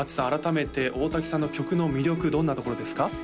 改めて大滝さんの曲の魅力どんなところですか？